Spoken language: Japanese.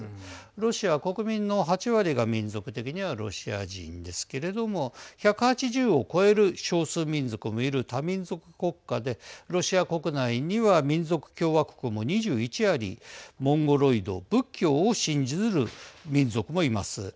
ロシアの国民の８割が民族的にはロシア人ですけれども１８０を超える少数民族もいる多民族国家でロシア国内には民族共和国も２１ありモンゴロイド、仏教を信ずる民族もいます。